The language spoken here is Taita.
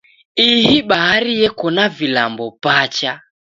Ihi bahari yeko na vilambo pacha.